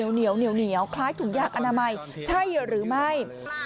เหนียวคล้ายถุงยากอนามัยใช่หรือไม่